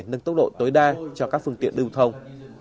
nâng tốc độ tối đa cho các phương tiện lưu thông